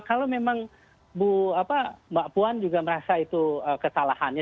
kalau memang mbak puan juga merasa itu kesalahannya